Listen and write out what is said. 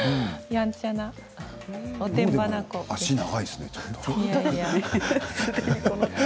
やんちゃなおてんばな子でした。